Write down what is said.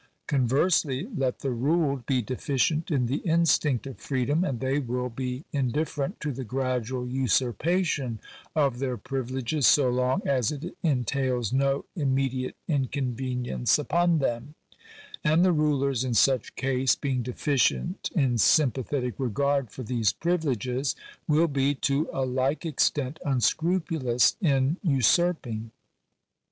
Conversely, let the ruled be deficient in the instinct of freedom, and they will be indif ferent to the gradual usurpation of their privileges so long as it entails no immediate inconvenience upon them; and the rulers in such case, being deficient in sympathetic regard for these privileges, will be, to a like extent, unscrupulous in usurping.